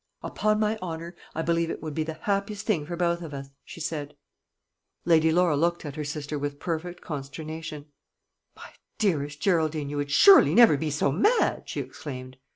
"Upon my honour, I believe it would be the happiest thing for both of us," she said. Lady Laura looked at her sister with perfect consternation. "My dearest Geraldine, you would surely never be so mad!" she exclaimed.